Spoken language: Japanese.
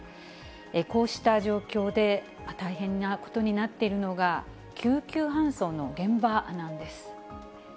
こうした状況で、大変なことになっているのが、救急搬送の現場なんです。